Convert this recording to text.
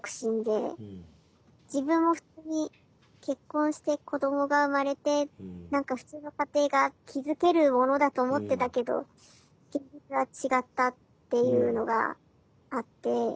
自分も普通に結婚して子どもが生まれて何か普通の家庭が築けるものだと思ってたけど現実は違ったっていうのがあって。